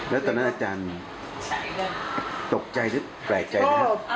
แล้วตอนนั้นอาจารย์ตกใจหรือแปลกใจนะ